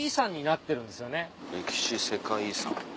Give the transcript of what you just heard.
歴史世界遺産。